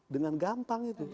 dengan gampang itu